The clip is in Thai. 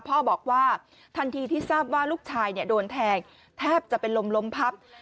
พ่อบอกว่าทันทีที่ทราบว่าลูกชายโดนแทงแทบจะเป็นลมล้มพับ